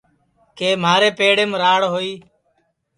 کہ مہارے پیڑیم راڑ ہوئی